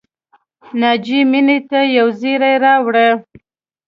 ناجیې مینې ته یو زېری راوړ